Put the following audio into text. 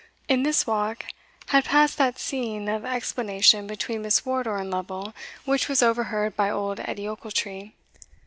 In this walk had passed that scene of explanation between Miss Wardour and Lovel which was overheard by old Edie Ochiltree.